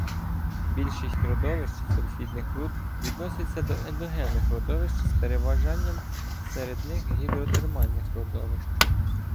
Більшість родовищ сульфідних руд відноситься до ендогенних родовищ з переважанням серед них гідротермальних родовищ.